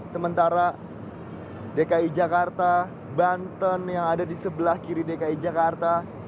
sementara dki jakarta banten yang ada di sebelah kiri dki jakarta